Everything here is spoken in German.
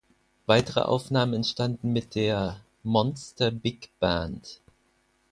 Weitere Aufnahmen entstanden mit der „Monster Big Band“.